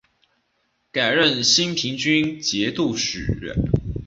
改任兴平军节度使。